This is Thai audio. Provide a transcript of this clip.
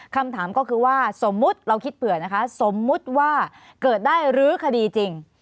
คำถามก็คือว่าสมมุติเราคิดเผื่อนะคะสมมุติว่าเกิดได้รื้อคดีจริง